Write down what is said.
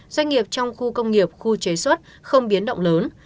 doanh nghiệp trong khu công nghiệp khu chế xuất không biến động lớn